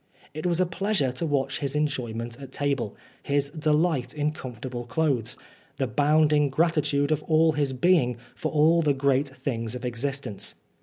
It was a pleasure to watch his enjoyment at table, his delight in comfortable clothes, the bounding gratitude of all his being for all the good things of existence.